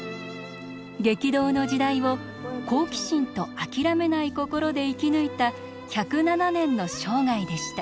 激動の時代を好奇心とあきらめない心で生き抜いた１０７年の生涯でした。